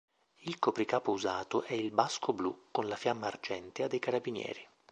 Il copricapo usato è il basco blu con la fiamma argentea dei carabinieri.